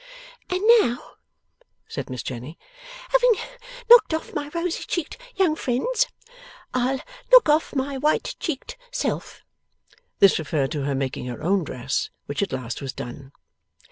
'And now,' said Miss Jenny, 'having knocked off my rosy cheeked young friends, I'll knock off my white cheeked self.' This referred to her making her own dress, which at last was done.